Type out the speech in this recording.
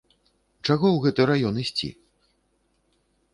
Чаго ў гэты раён ісці?